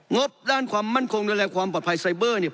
บด้านความมั่นคงดูแลความปลอดภัยไซเบอร์เนี่ย